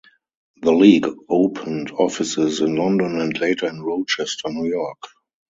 The League opened offices in London and later in Rochester, New York.